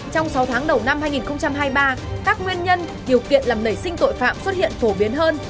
trong sáu tháng đầu năm hai nghìn hai mươi ba các nguyên nhân điều kiện làm nảy sinh tội phạm xuất hiện phổ biến hơn